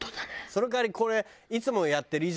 その代わりこれ。